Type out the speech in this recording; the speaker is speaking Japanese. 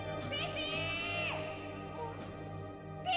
ピピ！